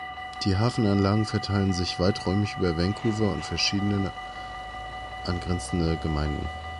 Die Hafenanlagen verteilen sich weiträumig über Vancouver und verschiedene angrenzende Gemeinden.